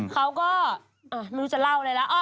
เขาก็รู้จะเล่าอะไรแล้ว